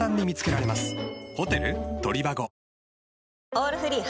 「オールフリー」